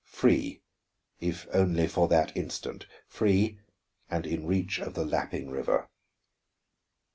Free, if only for that instant, free, and in reach of the lapping river.